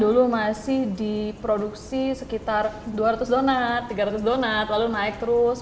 dulu masih diproduksi sekitar dua ratus donat tiga ratus donat lalu naik terus